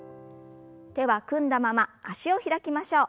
手は組んだまま脚を開きましょう。